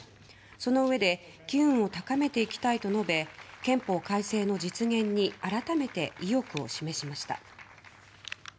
そのうえで機運を高めていきたいと述べ憲法改正の実現に改めて意欲を示しました。